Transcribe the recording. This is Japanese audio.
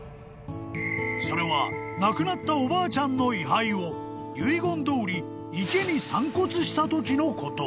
［それは亡くなったおばあちゃんの遺灰を遺言どおり池に散骨したときのこと］